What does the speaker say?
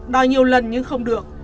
đòi nhiều lần nhưng không được